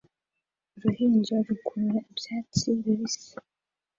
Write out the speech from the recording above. Uruhinja rukurura ibyatsi bibisi